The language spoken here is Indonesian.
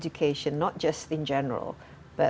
bukan hanya secara umum